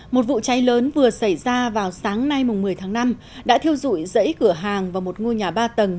một vụ cháy lớn vừa xảy ra vào sáng nay một mươi tháng năm đã thiêu dụi rẫy cửa hàng vào một ngôi nhà ba tầng